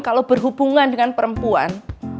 kalau berhubungan dengan perempuan